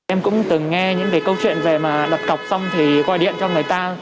em cũng từng nghe những cái câu chuyện về mà đặt cọc xong thì gọi điện cho người ta